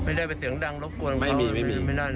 ไม่ได้ไปเตืองดังรบกวนเขาไม่ได้นะ